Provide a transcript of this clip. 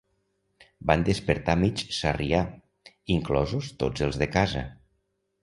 Van despertar mig Sarrià, inclosos tots els de casa.